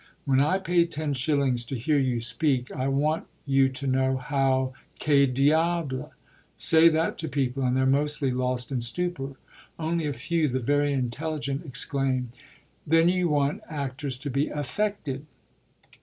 When I pay ten shillings to hear you speak I want you to know how, que diable! Say that to people and they're mostly lost in stupor; only a few, the very intelligent, exclaim: 'Then you want actors to be affected?'"